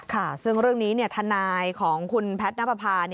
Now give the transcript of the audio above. ค่ะซึ่งเรื่องนี้ทนายของคุณแพทย์นับประพา